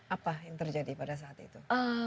apa yang terjadi pada saat itu